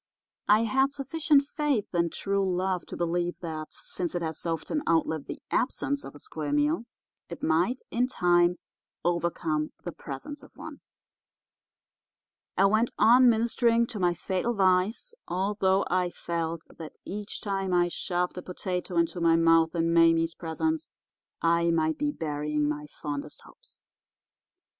I had sufficient faith in true love to believe that since it has often outlived the absence of a square meal it might, in time, overcome the presence of one. I went on ministering to my fatal vice, although I felt that each time I shoved a potato into my mouth in Mame's presence I might be burying my fondest hopes.